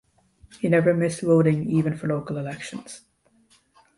He never missed voting, even for local elections.